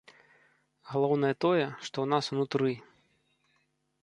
Галоўнае тое, што ў нас унутры.